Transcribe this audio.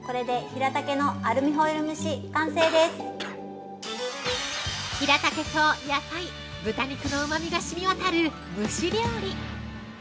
◆ひらたけと野菜、豚肉のうまみが染み渡る蒸し料理。